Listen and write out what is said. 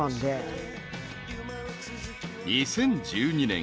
［２０１２年。